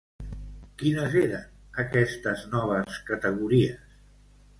Quines eren aquestes noves categories?